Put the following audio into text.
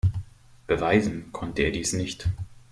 Beweisen konnte er dies nicht.